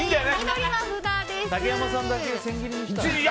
竹山さんだけ千切りにしたら？